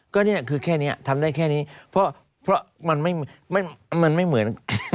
ก็นี่ทำได้แค่นี้เพราะมันไม่เหมือน